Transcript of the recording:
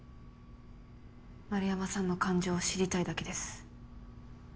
円山さんの感情を知りたいだけです。